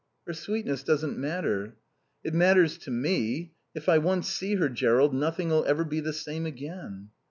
"Her sweetness doesn't matter." "It matters to me. If I once see her, Jerrold, nothing'll ever be the same again."